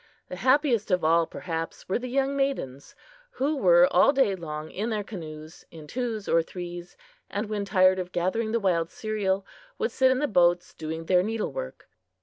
The happiest of all, perhaps, were the young maidens, who were all day long in their canoes, in twos or threes, and when tired of gathering the wild cereal, would sit in the boats doing their needle work.